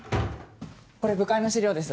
これ部会の資料です。